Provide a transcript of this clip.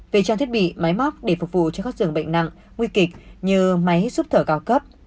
về trang thiết bị máy móc để phục vụ cho các dường bệnh nặng nguy kịch như máy xúc thở cao cấp